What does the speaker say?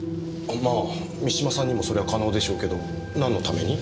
まあ三島さんにもそれは可能でしょうけどなんのために？